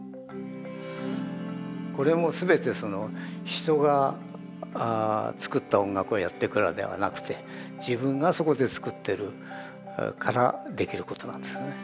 これも全て人が作った音楽をやっていくのではなくて自分がそこで作ってるからできることなんですね。